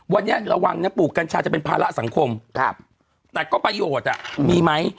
วันนี้ระวังนะปลูกกัญชาจะเป็นภาระสังคมแต่ก็ประโยชน์อ่ะมีไหม